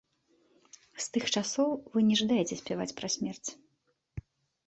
З тых часоў вы не жадаеце спяваць пра смерць.